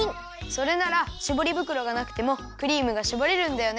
それならしぼりぶくろがなくてもクリームがしぼれるんだよね。